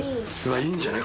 いいんじゃない？